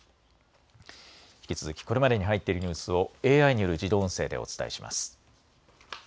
引き続きこれまでに入っているニュースをＡＩによる自動音声でお伝えします。